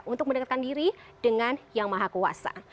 untuk mendekatkan diri dengan yang maha kuasa